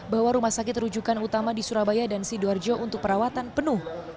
bahwa rumah sakit rujukan utama di surabaya dan sidoarjo untuk perawatan penuh